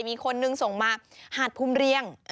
มีคนนึงส่งมาหาดภูมิเรียง